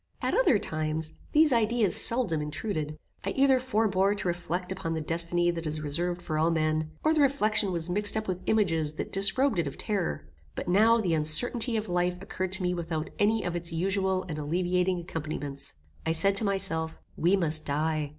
At other times, these ideas seldom intruded. I either forbore to reflect upon the destiny that is reserved for all men, or the reflection was mixed up with images that disrobed it of terror; but now the uncertainty of life occurred to me without any of its usual and alleviating accompaniments. I said to myself, we must die.